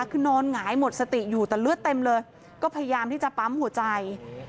คือนอนหงายหมดสติอยู่แต่เลือดเต็มเลยก็พยายามที่จะปั๊มหัวใจ